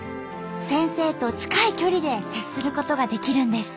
先生と近い距離で接することができるんです。